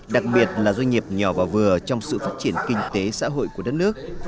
đặc biệt là doanh nghiệp nhỏ và vừa trong sự phát triển kinh tế xã hội của đất nước